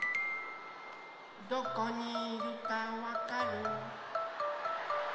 どこにいるかわかる？